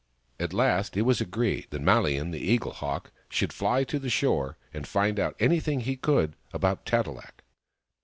At last it was agreed that Malian, the Eaglehawk, should fly to the shore and find out anything he could about Tat e lak.